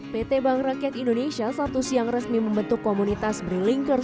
pt bank rakyat indonesia satu siang resmi membentuk komunitas brilinkers